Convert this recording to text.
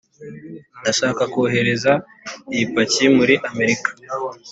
ndashaka kohereza iyi paki muri amerika.